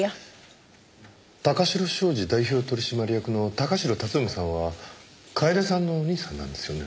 貴城商事代表取締役の貴城辰臣さんは楓さんのお兄さんなんですよね？